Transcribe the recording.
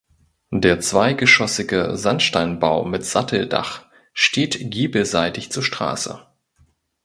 Der zweigeschossige Sandsteinbau mit Satteldach steht giebelseitig zur Straße.